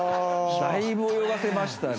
だいぶ泳がせましたね。